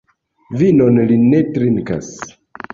Vinon li ne trinkas.